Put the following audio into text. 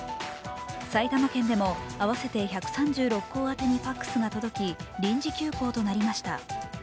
埼玉県でも合わせて１３６校当てにＦＡＸが届き、臨時休校となりました。